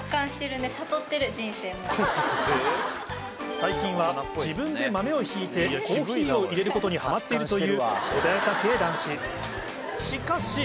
最近は自分で豆をひいてコーヒーを淹れることにハマっているという穏やか系男子